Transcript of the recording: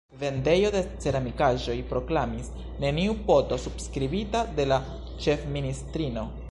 Vendejo de ceramikaĵoj proklamis: “Neniu poto subskribita de la ĉefministrino.